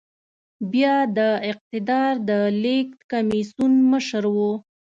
بيا د اقتدار د لېږد کميسيون مشر و.